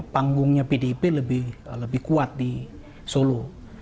panggungnya pdip lebih kuat di solo